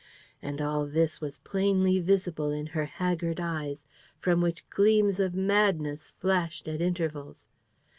And all this was plainly visible in her haggard eyes, from which gleams of madness flashed at intervals.